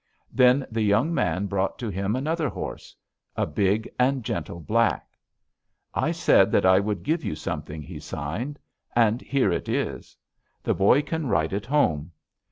Then the young man brought to him another horse, a big and gentle black: 'I said that I would give you something,' he signed, 'and here it is. The boy can ride it home.